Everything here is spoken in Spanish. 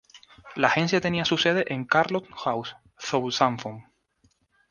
La agencia tenía su sede en Carlton House, Southampton.